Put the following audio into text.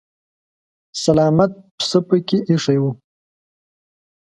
سلامت پسه پکې ايښی و.